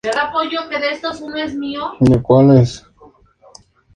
Con todo, los que han resistido, viven muy mejoradas sus actuales condiciones de vida.